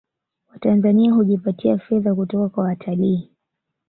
Watanzania hujipatia fedha kutoka kwa watalii